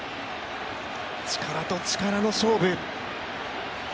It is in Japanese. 力と力の勝負。